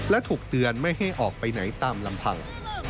และถูกเตือนไม่ให้ออกไปไหนตามลำพัง